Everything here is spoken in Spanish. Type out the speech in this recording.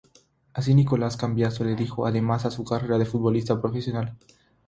Así Nicolás Cambiasso le dijo adiós a su carrera de futbolista profesional.